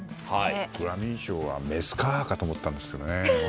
グラミー賞はメスカーかと思ったんですけどね。